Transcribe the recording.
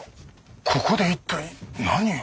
ここで一体何を？